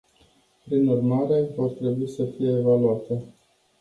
Prin urmare, vor trebui să fie evaluate.